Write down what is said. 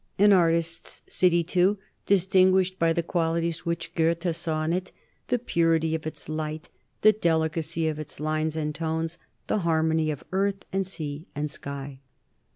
An artist's city, too, distinguished by the qualities which Goethe saw in it, "the purity of its light, the delicacy of its lines and tones, the harmony of earth and sea and sky."